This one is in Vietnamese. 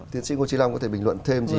tiến sĩ ngô trí long có thể bình luận thêm gì